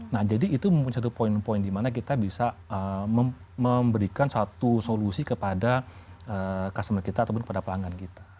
nah jadi itu mempunyai satu poin poin di mana kita bisa memberikan satu solusi kepada customer kita ataupun kepada pelanggan kita